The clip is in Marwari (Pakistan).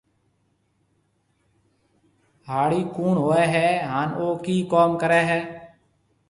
هاڙِي ڪوُڻ هوئي هيَ هانَ او ڪِي ڪوم ڪريَ هيَ۔